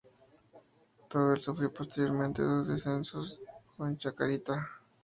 Tauber sufrió posteriormente, dos descensos con Chacarita.